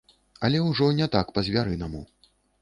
Але ўжо не так па-звярынаму.